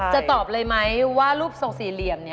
จะตอบเลยไหมว่ารูปทรงสี่เหลี่ยม